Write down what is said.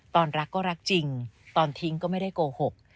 ตอนรักก็รักจริงตอนทิ้งก็ไม่ได้โกหก